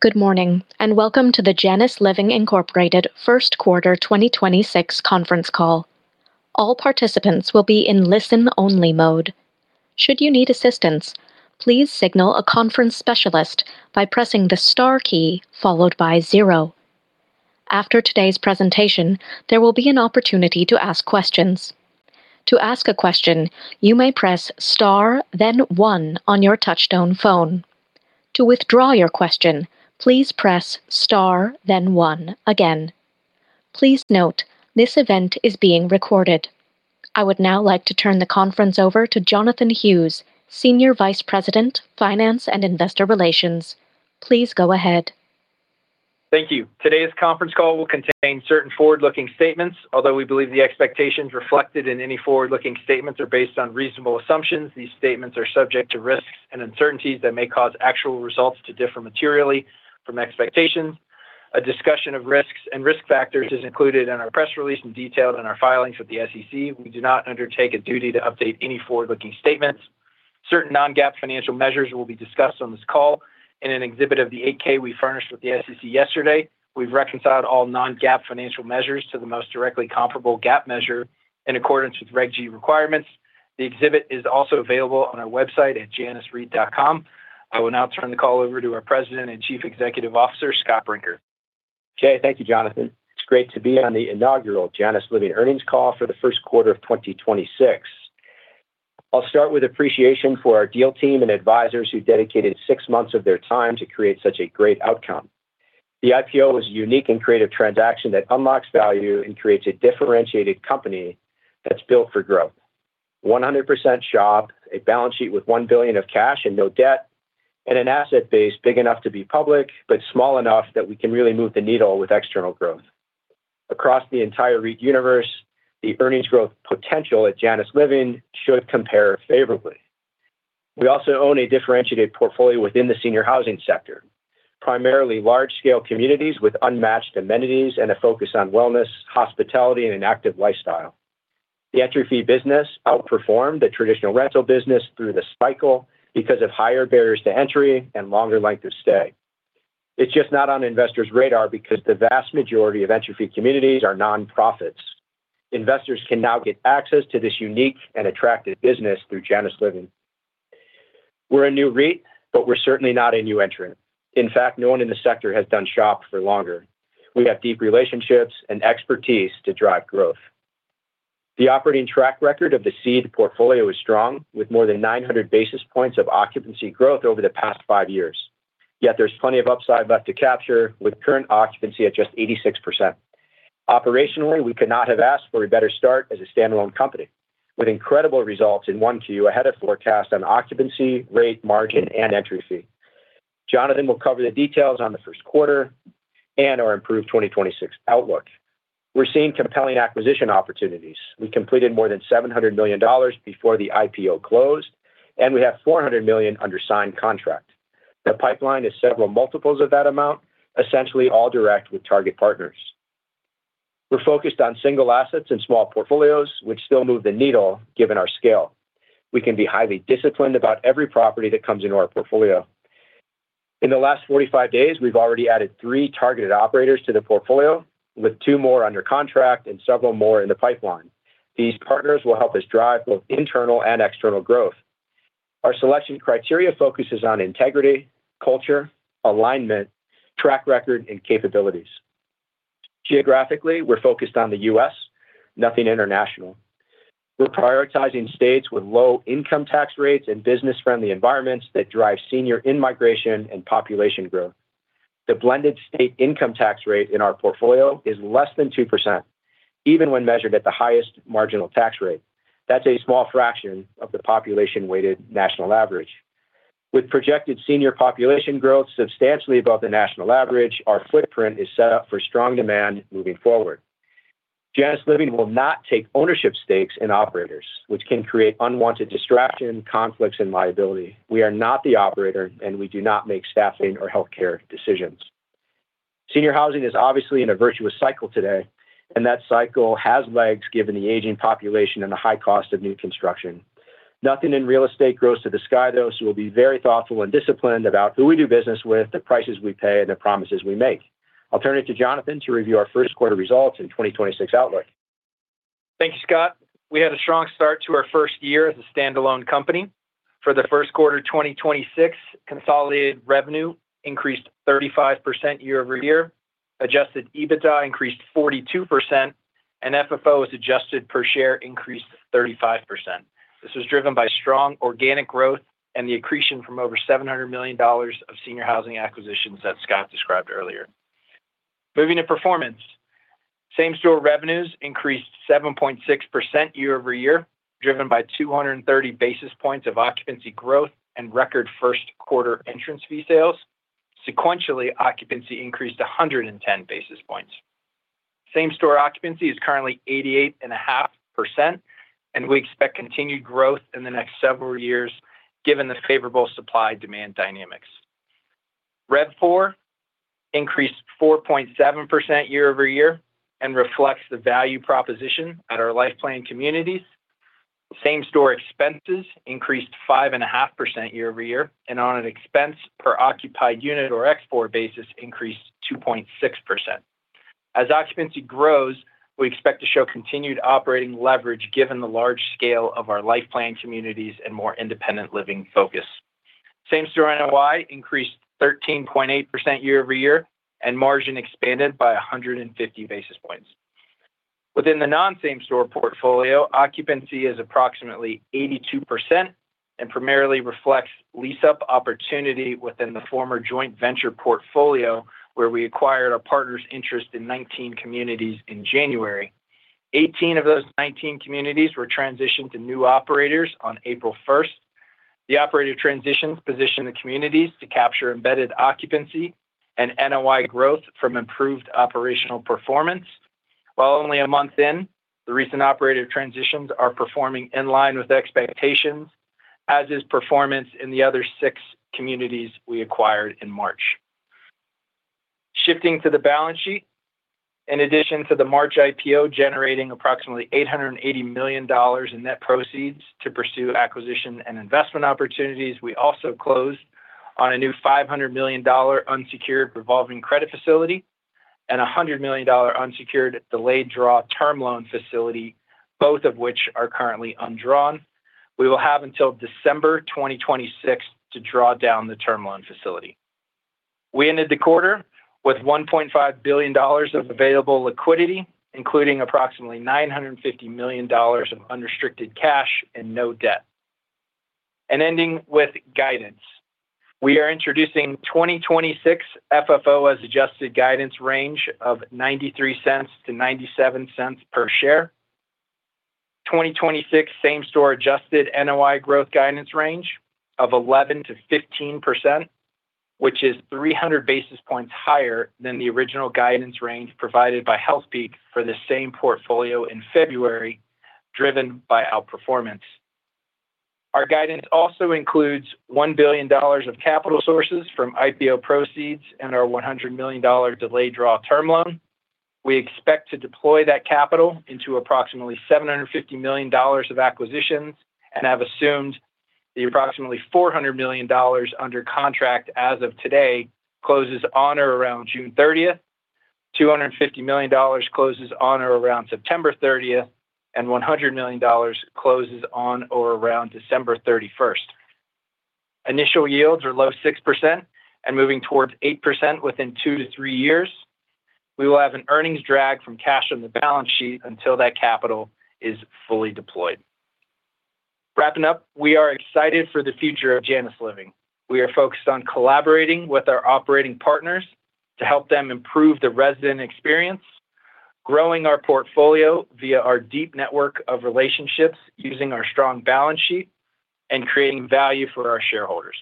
Good morning, and welcome to the Janus Living, Inc. First Quarter 2026 conference call. I would now like to turn the conference over to Jonathan Hughes, Senior Vice President, Finance and Investor Relations. Please go ahead. Thank you. Today's conference call will contain certain forward-looking statements. Although we believe the expectations reflected in any forward-looking statements are based on reasonable assumptions, these statements are subject to risks and uncertainties that may cause actual results to differ materially from expectations. A discussion of risks and risk factors is included in our press release and detailed in our filings with the SEC. We do not undertake a duty to update any forward-looking statements. Certain non-GAAP financial measures will be discussed on this call. In an exhibit of the 8-K we furnished with the SEC yesterday, we've reconciled all non-GAAP financial measures to the most directly comparable GAAP measure in accordance with Reg G requirements. The exhibit is also available on our website at janusliving.com. I will now turn the call over to our President and Chief Executive Officer, Scott Brinker. Okay. Thank you, Jonathan. It's great to be on the inaugural Janus Living earnings call for the 1st quarter of 2026. I'll start with appreciation for our deal team and advisors who dedicated 6 months of their time to create such a great outcome. The IPO was a unique and creative transaction that unlocks value and creates a differentiated company that's built for growth. 100% SHOP, a balance sheet with $1 billion of cash and no debt, and an asset base big enough to be public, but small enough that we can really move the needle with external growth. Across the entire REIT universe, the earnings growth potential at Janus Living should compare favorably. We also own a differentiated portfolio within the senior housing sector, primarily large-scale communities with unmatched amenities and a focus on wellness, hospitality, and an active lifestyle. The entry fee business outperformed the traditional rental business through the cycle because of higher barriers to entry and longer length of stay. It's just not on investors' radar because the vast majority of entry fee communities are nonprofits. Investors can now get access to this unique and attractive business through Janus Living. We're a new REIT, but we're certainly not a new entrant. In fact, no one in the sector has done SHOP for longer. We have deep relationships and expertise to drive growth. The operating track record of the seed portfolio is strong, with more than 900 basis points of occupancy growth over the past five years. Yet there's plenty of upside left to capture with current occupancy at just 86%. Operationally, we could not have asked for a better start as a standalone company with incredible results in 1Q ahead of forecast on occupancy, rate, margin, and entry fee. Jonathan will cover the details on the first quarter and our improved 2026 outlook. We're seeing compelling acquisition opportunities. We completed more than $700 million before the IPO closed. We have $400 million under signed contract. The pipeline is several multiples of that amount, essentially all direct with target partners. We're focused on single assets and small portfolios which still move the needle, given our scale. We can be highly disciplined about every property that comes into our portfolio. In the last 45 days, we've already added three targeted operators to the portfolio, with two more under contract and several more in the pipeline. These partners will help us drive both internal and external growth. Our selection criteria focuses on integrity, culture, alignment, track record, and capabilities. Geographically, we're focused on the U.S., nothing international. We're prioritizing states with low income tax rates and business-friendly environments that drive senior in-migration and population growth. The blended state income tax rate in our portfolio is less than 2%, even when measured at the highest marginal tax rate. That's a small fraction of the population-weighted national average. With projected senior population growth substantially above the national average, our footprint is set up for strong demand moving forward. Janus Living will not take ownership stakes in operators, which can create unwanted distraction, conflicts, and liability. We are not the operator, and we do not make staffing or healthcare decisions. Senior housing is obviously in a virtuous cycle today, and that cycle has legs given the aging population and the high cost of new construction. Nothing in real estate grows to the sky, though, so we'll be very thoughtful and disciplined about who we do business with, the prices we pay, and the promises we make. I'll turn it to Jonathan to review our first quarter results and 2026 outlook. Thank you, Scott. We had a strong start to our first year as a standalone company. For the first quarter of 2026, consolidated revenue increased 35% year-over-year, adjusted EBITDA increased 42%, and FFO as adjusted per share increased 35%. This was driven by strong organic growth and the accretion from over $700 million of senior housing acquisitions that Scott described earlier. Moving to performance. Same-store revenues increased 7.6% year-over-year, driven by 230 basis points of occupancy growth and record first quarter entrance fee sales. Sequentially, occupancy increased 110 basis points. Same-store occupancy is currently 88.5%, and we expect continued growth in the next several years given the favorable supply-demand dynamics. RevPOR increased 4.7% year-over-year and reflects the value proposition at our life plan communities. Same-store expenses increased 5.5% year-over-year, and on an expense per occupied unit or ExPOR basis increased 2.6%. As occupancy grows, we expect to show continued operating leverage given the large scale of our life plan communities and more independent living focus. Same-store NOI increased 13.8% year-over-year, and margin expanded by 150 basis points. Within the non-same-store portfolio, occupancy is approximately 82% and primarily reflects lease-up opportunity within the former joint venture portfolio where we acquired our partner's interest in 19 communities in January. 18 of those 19 communities were transitioned to new operators on April 1st. The operator transitions positioned the communities to capture embedded occupancy and NOI growth from improved operational performance. While only a month in, the recent operator transitions are performing in line with expectations, as is performance in the other six communities we acquired in March. Shifting to the balance sheet. In addition to the March IPO generating approximately $880 million in net proceeds to pursue acquisition and investment opportunities, we also closed on a new $500 million unsecured revolving credit facility and a $100 million unsecured delayed draw term loan facility, both of which are currently undrawn. We will have until December 2026 to draw down the term loan facility. We ended the quarter with $1.5 billion of available liquidity, including approximately $950 million of unrestricted cash and no debt. Ending with guidance. We are introducing 2026 FFO as adjusted guidance range of $0.93-$0.97 per share. 2026 same-store adjusted NOI growth guidance range of 11%-15%, which is 300 basis points higher than the original guidance range provided by Healthpeak for the same portfolio in February, driven by outperformance. Our guidance also includes $1 billion of capital sources from IPO proceeds and our $100 million delayed draw term loan. We expect to deploy that capital into approximately $750 million of acquisitions and have assumed the approximately $400 million under contract as of today closes on or around June 30th, $250 million closes on or around September 30th, and $100 million closes on or around December 31st. Initial yields are low 6% and moving towards 8% within two to three years. We will have an earnings drag from cash on the balance sheet until that capital is fully deployed. Wrapping up, we are excited for the future of Janus Living. We are focused on collaborating with our operating partners to help them improve the resident experience, growing our portfolio via our deep network of relationships using our strong balance sheet and creating value for our shareholders.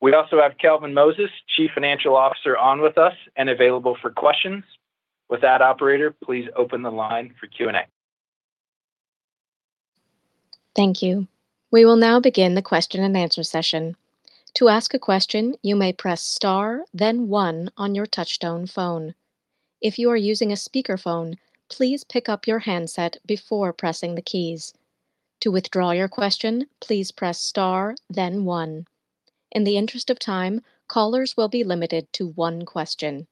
We also have Kelvin Moses, Chief Financial Officer, on with us and available for questions. With that, operator, please open the line for Q&A. Thank you. We will now begin the question-and-answer session. To ask a question, you may press star then one on your touchtone phone. If you are using a speakerphone, please pick up your handset before pressing the keys. To withdraw your question, please press star then one. In the interest of time, callers will be limited to one question.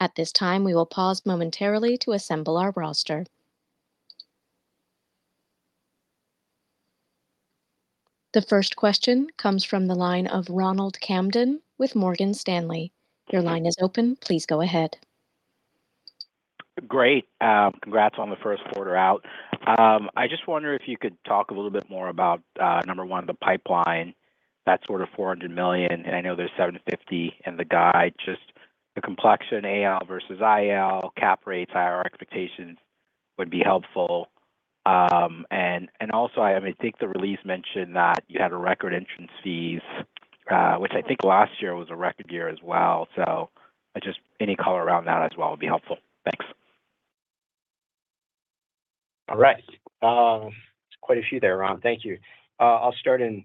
At this time, we will pause momentarily to assemble our roster. The first question comes from the line of Ronald Kamdem with Morgan Stanley. Your line is open. Please go ahead. Great. Congrats on the first quarter out. I just wonder if you could talk a little bit more about, number one, the pipeline, that sort of $400 million, and I know there's $750 in the guide. Just the complexion AL versus IL, cap rates, higher expectations would be helpful. Also, I think the release mentioned that you had a record entrance fees, which I think last year was a record year as well. Just any color around that as well would be helpful. Thanks. All right. There's quite a few there, Ron. Thank you. I'll start in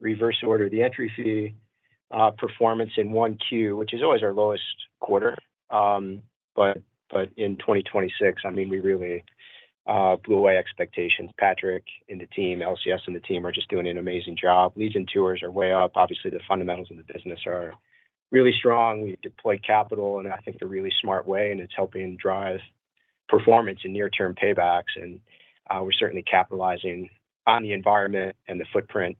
reverse order. The entrance fee performance in 1Q, which is always our lowest quarter. But in 2026, I mean, we really blew away expectations. Patrick and the team, LCS and the team are just doing an amazing job. Leads and tours are way up. Obviously, the fundamentals of the business are really strong. We deploy capital in, I think, the really smart way, and it's helping drive performance and near-term paybacks. We're certainly capitalizing on the environment and the footprint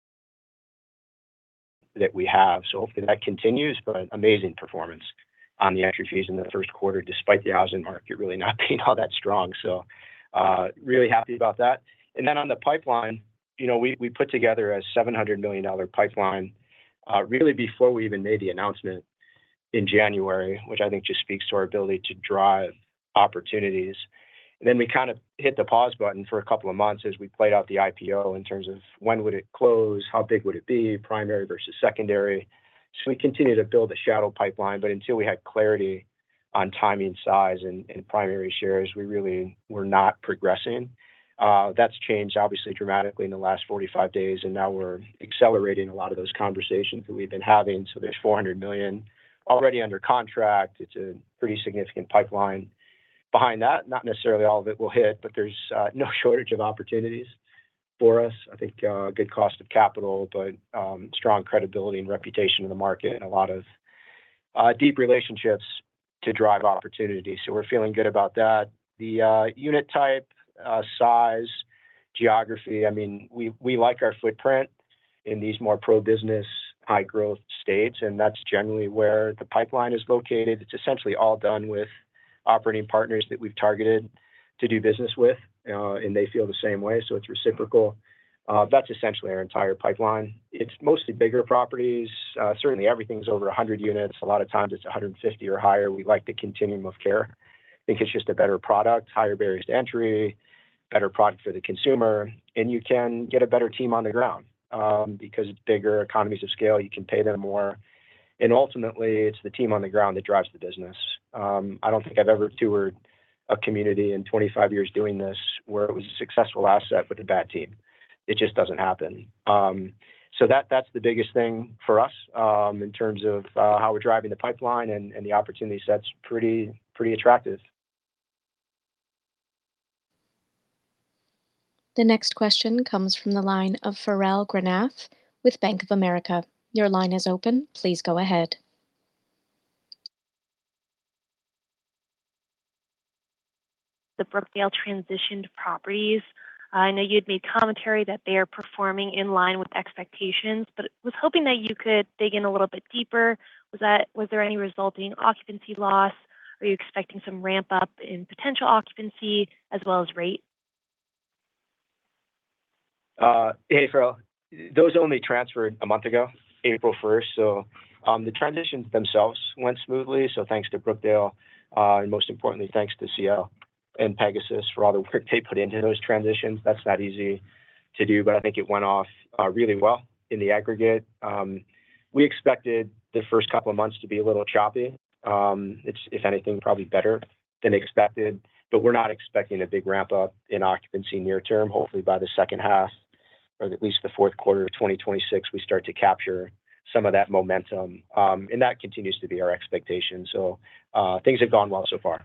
that we have. Hopefully that continues, but amazing performance on the entrance fees in the first quarter, despite the housing market really not being all that strong. Really happy about that. On the pipeline, you know, we put together a $700 million pipeline really before we even made the announcement in January, which I think just speaks to our ability to drive opportunities. We kind of hit the pause button for a couple of months as we played out the IPO in terms of when would it close, how big would it be, primary versus secondary. We continued to build a shadow pipeline, but until we had clarity on timing, size, and primary shares, we really were not progressing. That's changed obviously dramatically in the last 45 days, and now we're accelerating a lot of those conversations that we've been having. There's $400 million already under contract. It's a pretty significant pipeline. Behind that, not necessarily all of it will hit, there's no shortage of opportunities for us. I think good cost of capital, strong credibility and reputation in the market and a lot of deep relationships to drive opportunities. We're feeling good about that. The unit type, size, geography, I mean, we like our footprint in these more pro-business, high growth states, that's generally where the pipeline is located. It's essentially all done with operating partners that we've targeted to do business with, they feel the same way, it's reciprocal. That's essentially our entire pipeline. It's mostly bigger properties. Certainly everything's over 100 units. A lot of times it's 150 or higher. We like the continuum of care. I think it's just a better product, higher barriers to entry, better product for the consumer, and you can get a better team on the ground because it's bigger economies of scale. You can pay them more. Ultimately, it's the team on the ground that drives the business. I don't think I've ever toured a community in 25 years doing this where it was a successful asset with a bad team. It just doesn't happen. That, that's the biggest thing for us in terms of how we're driving the pipeline and the opportunity set's pretty attractive. The next question comes from the line of Farrell Granath with Bank of America. Your line is open. Please go ahead. The Brookdale transitioned properties, I know you had made commentary that they are performing in line with expectations, but was hoping that you could dig in a little bit deeper. Was there any resulting occupancy loss? Are you expecting some ramp up in potential occupancy as well as rate? Hey, Farrell. Those only transferred a month ago, April first. The transitions themselves went smoothly. Thanks to Brookdale, and most importantly, thanks to CL and Pegasus for all the work they put into those transitions. That's not easy to do. I think it went off really well in the aggregate. We expected the first couple of months to be a little choppy. It's, if anything, probably better than expected. We're not expecting a big ramp up in occupancy near term. Hopefully by the second half, or at least the fourth quarter of 2026, we start to capture some of that momentum. That continues to be our expectation. Things have gone well so far.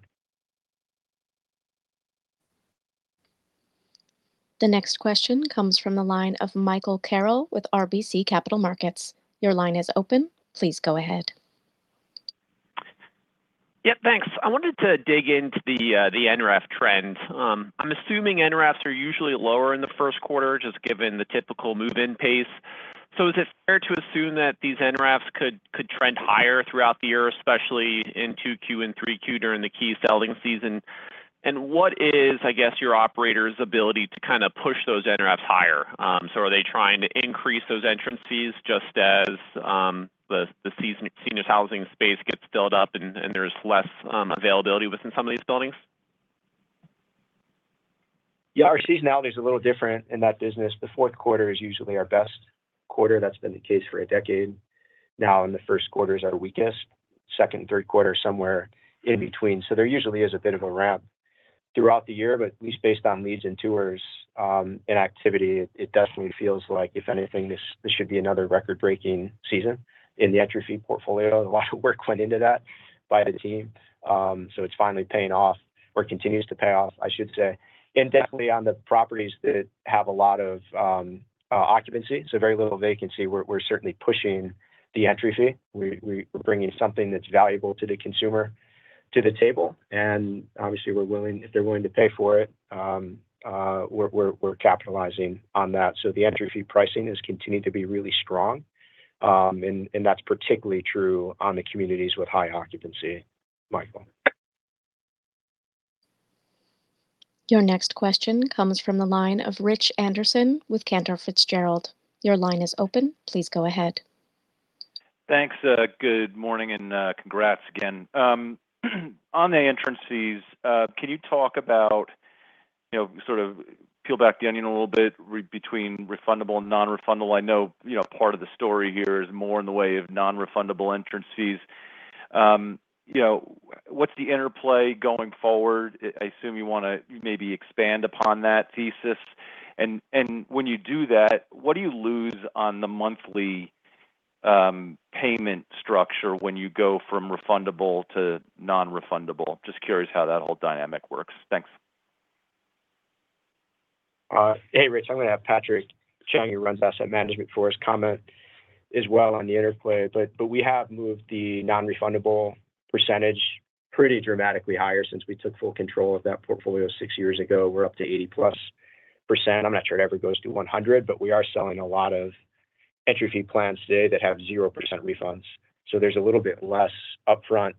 The next question comes from the line of Michael Carroll with RBC Capital Markets. Your line is open. Please go ahead. Yep. Thanks. I wanted to dig into the NRA trend. I'm assuming NRAs are usually lower in the first quarter, just given the typical move-in pace. Is it fair to assume that these NRAs could trend higher throughout the year, especially in 2Q and 3Q during the key selling season? What is, I guess, your operator's ability to kind of push those NRAs higher? Are they trying to increase those entrance fees just as the senior housing space gets built up and there's less availability within some of these buildings? Yeah. Our seasonality is a little different in that business. The fourth quarter is usually our best quarter. That's been the case for a decade now, and the first quarter is our weakest. Second and third quarter, somewhere in between. There usually is a bit of a ramp throughout the year, but at least based on leads and tours, and activity, it definitely feels like, if anything, this should be another record-breaking season in the entry fee portfolio. A lot of work went into that by the team, so it's finally paying off, or continues to pay off, I should say. Definitely on the properties that have a lot of occupancy, so very little vacancy, we're certainly pushing the entry fee. We're bringing something that's valuable to the consumer to the table, and obviously if they're willing to pay for it, we're capitalizing on that. The entry fee pricing has continued to be really strong, and that's particularly true on the communities with high occupancy. Michael. Your next question comes from the line of Richard Anderson with Cantor Fitzgerald. Your line is open. Please go ahead. Thanks, good morning, congrats again. On the entrance fees, can you talk about, you know, sort of peel back the onion a little bit between refundable and non-refundable? I know, you know, part of the story here is more in the way of non-refundable entrance fees. You know, what's the interplay going forward? I assume you wanna maybe expand upon that thesis. When you do that, what do you lose on the monthly payment structure when you go from refundable to non-refundable? Just curious how that whole dynamic works. Thanks. Hey, Rich. I'm gonna have Patrick Cheng, who runs asset management for us, comment as well on the interplay. We have moved the non-refundable percentage pretty dramatically higher since we took full control of that portfolio six years ago. We're up to 80% plus. I'm not sure it ever goes to 100, but we are selling a lot of entrance fee plans today that have 0% refunds. There's a little bit less upfront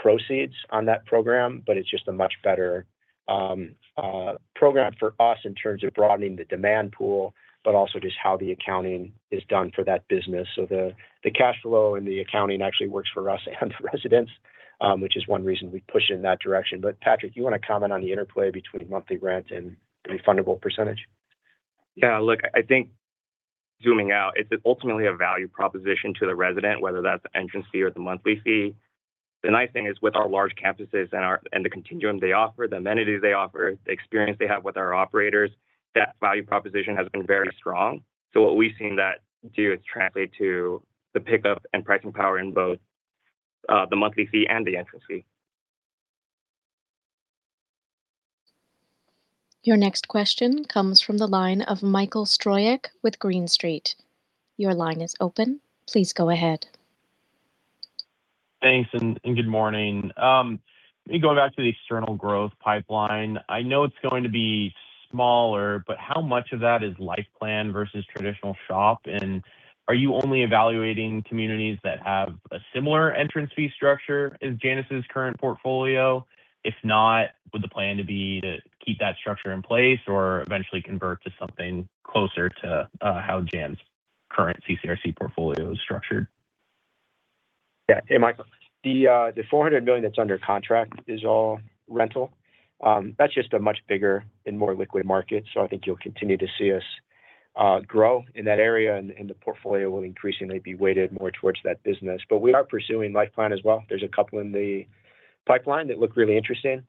proceeds on that program, but it's just a much better program for us in terms of broadening the demand pool, but also just how the accounting is done for that business. The cash flow and the accounting actually works for us and residents, which is one reason we push it in that direction. Patrick, you wanna comment on the interplay between monthly rent and refundable percentage? Look, I think zooming out, it's ultimately a value proposition to the resident, whether that's the entrance fee or the monthly fee. The nice thing is with our large campuses and the continuum they offer, the amenities they offer, the experience they have with our operators, that value proposition has been very strong. What we've seen that do is translate to the pickup and pricing power in both the monthly fee and the entrance fee. Your next question comes from the line of Michael Stroyeck with Green Street. Your line is open. Please go ahead. Thanks, and good morning. Maybe going back to the external growth pipeline, I know it's going to be smaller, but how much of that is life plan versus traditional SHOP? Are you only evaluating communities that have a similar entrance fee structure as Janus's current portfolio? If not, would the plan to be to keep that structure in place or eventually convert to something closer to how Janus's current CCRC portfolio is structured? Yeah. Hey, Michael. The $400 million that's under contract is all rental. That's just a much bigger and more liquid market, so I think you'll continue to see us grow in that area, and the portfolio will increasingly be weighted more towards that business. We are pursuing life plan as well. There's a couple in the pipeline that look really interesting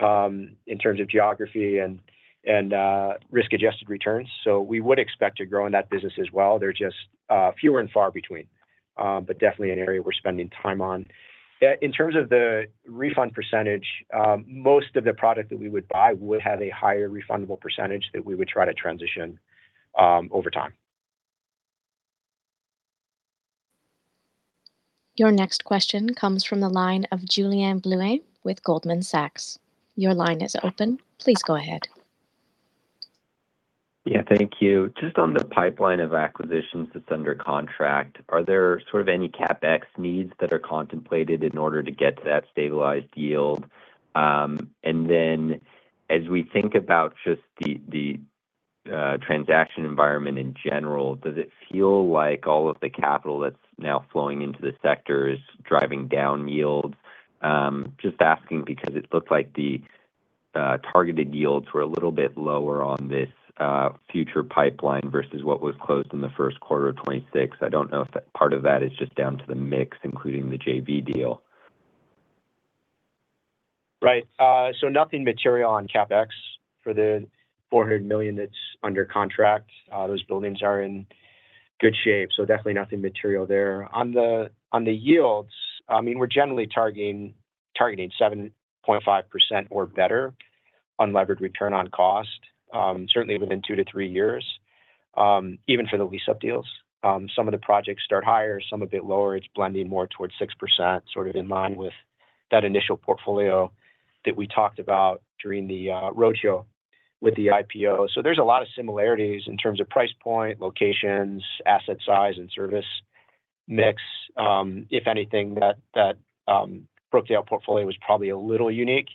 in terms of geography and risk-adjusted returns. We would expect to grow in that business as well. They're just fewer and far between. Definitely an area we're spending time on. In terms of the refund percentage, most of the product that we would buy would have a higher refundable percentage that we would try to transition over time. Your next question comes from the line of Julien Blouin with Goldman Sachs. Your line is open. Please go ahead. Yeah, thank you. Just on the pipeline of acquisitions that's under contract, are there sort of any CapEx needs that are contemplated in order to get to that stabilized yield? As we think about just the transaction environment in general, does it feel like all of the capital that's now flowing into the sector is driving down yields? Just asking because it looks like the targeted yields were a little bit lower on this future pipeline versus what was closed in the first quarter of 2026. I don't know if that part of that is just down to the mix, including the JV deal. Right. Nothing material on CapEx for the $400 million that's under contract. Those buildings are in good shape, definitely nothing material there. On the yields, I mean, we're generally targeting 7.5% or better unlevered return on cost, certainly within two to three years, even for the lease-up deals. Some of the projects start higher, some a bit lower. It's blending more towards 6%, sort of in line with that initial portfolio that we talked about during the roadshow with the IPO. There's a lot of similarities in terms of price point, locations, asset size, and service mix. If anything, that Brookdale portfolio was probably a little unique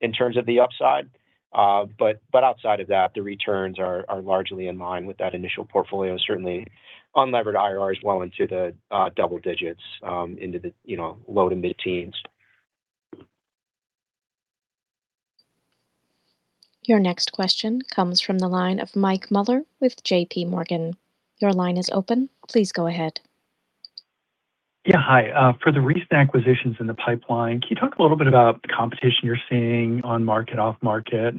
in terms of the upside. But outside of that, the returns are largely in line with that initial portfolio. Certainly unlevered IRRs well into the double digits, into the, you know, low to mid-teens. Your next question comes from the line of Mike Mueller with JPMorgan. Your line is open. Please go ahead. Yeah, hi. For the recent acquisitions in the pipeline, can you talk a little bit about the competition you're seeing on market, off market?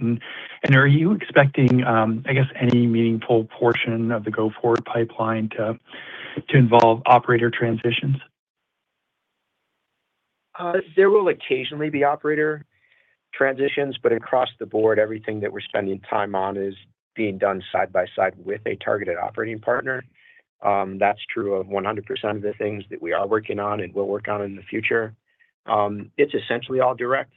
Are you expecting, I guess any meaningful portion of the go-forward pipeline to involve operator transitions? There will occasionally be operator transitions, but across the board, everything that we're spending time on is being done side by side with a targeted operating partner. That's true of 100% of the things that we are working on and will work on in the future. It's essentially all direct,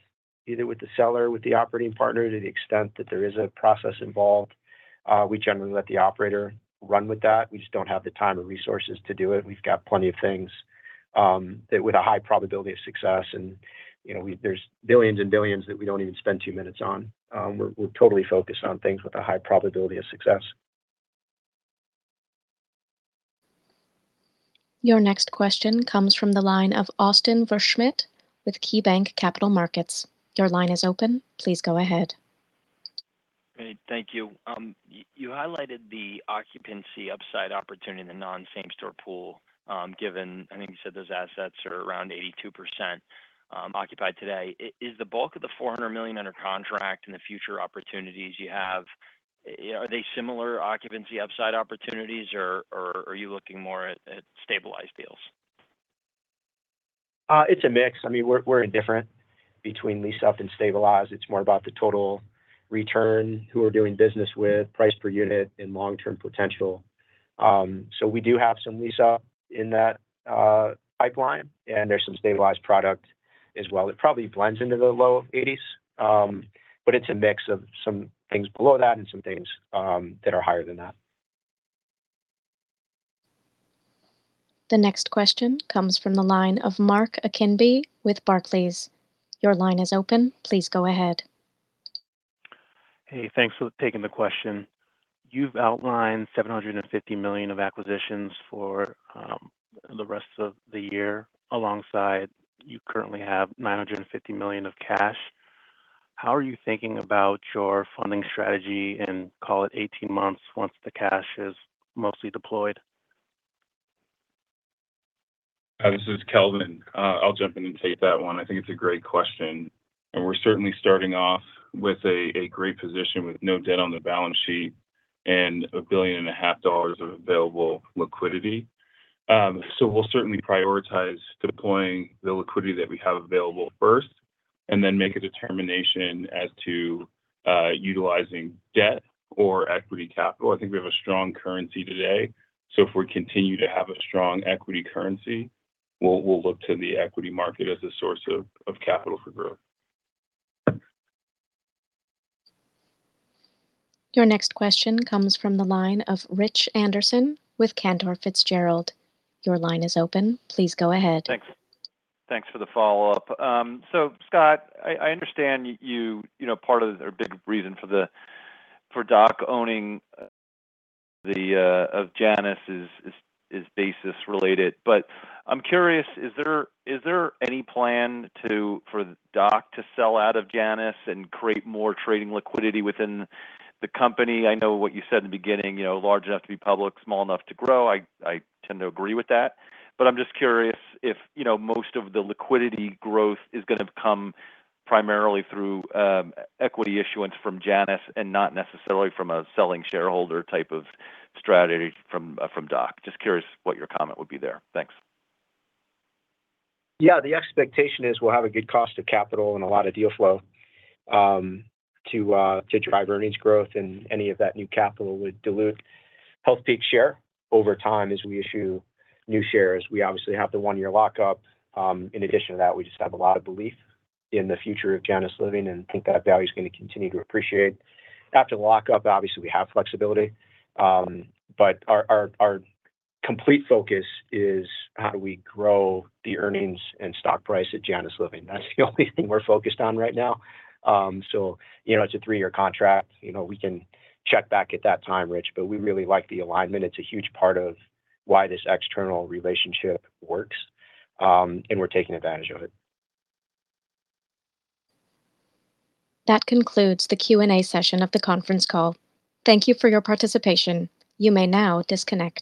either with the seller, with the operating partner. To the extent that there is a process involved, we generally let the operator run with that. We just don't have the time or resources to do it. We've got plenty of things that with a high probability of success and, you know, there's billions and billions that we don't even spend two minutes on. We're totally focused on things with a high probability of success. Your next question comes from the line of Austin Wurschmidt with KeyBanc Capital Markets. Great. Thank you. You highlighted the occupancy upside opportunity in the non-same store pool, given, I think you said those assets are around 82% occupied today. Is the bulk of the $400 million under contract in the future opportunities you have, are they similar occupancy upside opportunities, or are you looking more at stabilized deals? It's a mix. I mean, we're indifferent between lease up and stabilize. It's more about the total return, who we're doing business with, price per unit, and long-term potential. We do have some lease up in that pipeline, and there's some stabilized product as well. It probably blends into the low 80s, but it's a mix of some things below that and some things that are higher than that. The next question comes from the line of Mark Akinbi with Barclays. Your line is open. Please go ahead. Hey, thanks for taking the question. You've outlined $750 million of acquisitions for the rest of the year alongside, you currently have $950 million of cash. How are you thinking about your funding strategy in, call it 18 months, once the cash is mostly deployed? This is Kelvin. I'll jump in and take that one. I think it's a great question, and we're certainly starting off with a great position with no debt on the balance sheet. $1.5 billion of available liquidity. We'll certainly prioritize deploying the liquidity that we have available first, and then make a determination as to utilizing debt or equity capital. I think we have a strong currency today, if we continue to have a strong equity currency, we'll look to the equity market as a source of capital for growth. Your next question comes from the line of Richard Anderson with Cantor Fitzgerald. Your line is open. Please go ahead. Thanks. Thanks for the follow-up. Scott, I understand you know, part of or a big reason for the, for DOC owning the of Janus is basis related. I'm curious, is there any plan to, for DOC to sell out of Janus and create more trading liquidity within the company? I know what you said in the beginning, you know, large enough to be public, small enough to grow. I tend to agree with that. I'm just curious if, you know, most of the liquidity growth is gonna come primarily through equity issuance from Janus and not necessarily from a selling shareholder type of strategy from DOC. Just curious what your comment would be there. Thanks. Yeah. The expectation is we'll have a good cost of capital and a lot of deal flow to drive earnings growth. Any of that new capital would dilute Healthpeak's share over time as we issue new shares. We obviously have the one-year lockup. In addition to that, we just have a lot of belief in the future of Janus Living and think that value is gonna continue to appreciate. After lockup, obviously, we have flexibility. Our, our complete focus is how do we grow the earnings and stock price at Janus Living. That's the only thing we're focused on right now. You know, it's a three-year contract. You know, we can check back at that time, Rich, but we really like the alignment. It's a huge part of why this external relationship works. We're taking advantage of it. That concludes the Q&A session of the conference call. Thank you for your participation. You may now disconnect.